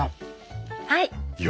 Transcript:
はい。